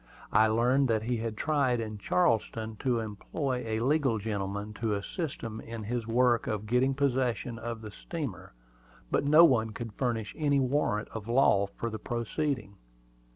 I learned that he had tried in Charleston to employ a legal gentleman to assist him in his work of getting possession of the steamer; but no one could furnish any warrant of law for the proceeding.